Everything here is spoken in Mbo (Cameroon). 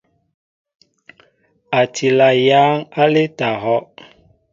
A tila yăŋ aleta ahɔʼ.